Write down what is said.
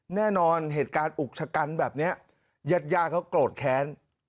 แน่นอนเหตุการณ์อุกชะกันแบบนี้ญาติย่าเขาโกรธแค้น